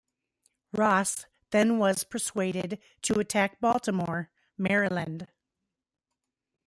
Ross then was persuaded to attack Baltimore, Maryland.